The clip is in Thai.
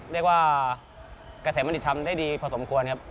เรียกว่ากระแสบัณฑิตทำได้ดีพอสมควรครับ